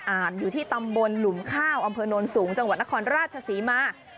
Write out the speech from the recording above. อยู่ที่ตำบลหลุมข้าวอำเภอโน้นสูงจังหวัดนครราชศรีมา